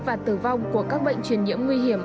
và tử vong của các bệnh truyền nhiễm nguy hiểm